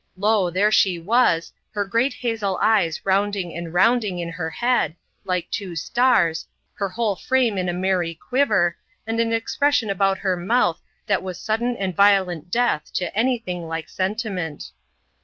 Lo! there she was; her great hazel eyes rounding and rounding in her head, like two stars, her whole frame in a merry quiver, and an expression about the mouth that was sudden and violent death to any thing like sentiment.